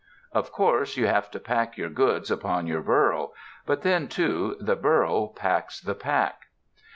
Of course you have to pack your goods upon your burro, but then, too, the burro packs the pack.